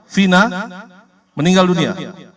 dua vina meninggal dunia